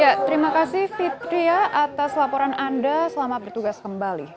ya terima kasih fitri ya atas laporan anda selama bertugas kembali